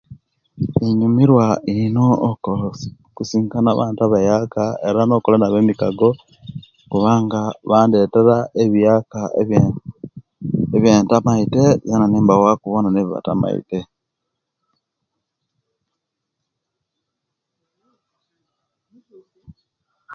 Inyumiruwa ino okusi okusisinkana abantu abayaka era inyumiruwa okola nabo emikago kubanga bandetera ebiyaka ebinta maite nzena nibawaku ebibatamaite